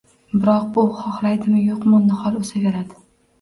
Biroq u xohlaydimi-yo’qmi, nihol o’saveradi!